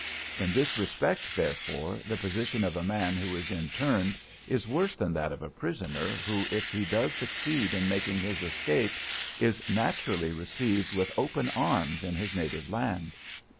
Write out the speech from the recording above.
In this respect, therefore, the position of a man who is interned is worse than that of a prisoner who, if he does succeed in making his escape, is naturally received with open arms in his native land.